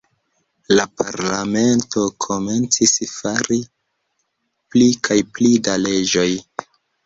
La parlamento komencis fari pli kaj pli da leĝoj.